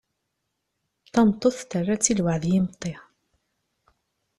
Tameṭṭut, terra-tt i lwaɛd n yimeṭṭi.